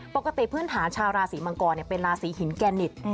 พื้นฐานชาวราศีมังกรเป็นราศีหินแกนิต